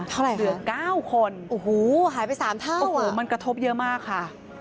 เท่าไหร่ค่ะหายไป๓เท่ามันกระทบเยอะมากค่ะ